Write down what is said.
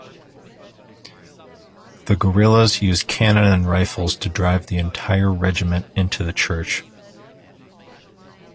The guerillas used cannon and rifles to drive the entire regiment into the church.